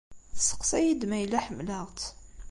Tesseqsa-iyi-d ma yella ḥemmleɣ-tt.